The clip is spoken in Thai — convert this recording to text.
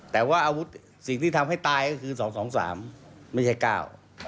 แต่ว่าอาวุธสิ่งที่ทำให้ตายก็คือสองสองสามไม่ใช่เก้า